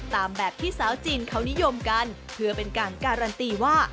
ตามแบบที่สาวจีนเขานิยมกันเพื่อเป็นการการันตีว่า